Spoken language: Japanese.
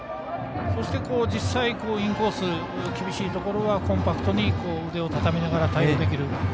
そして、実際インコース厳しいところはコンパクトに腕をたたみながら対応できる。